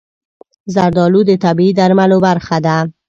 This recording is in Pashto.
زردالو د طبیعي درملو برخه ده.